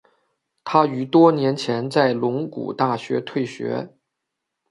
他于多年前在龙谷大学退学。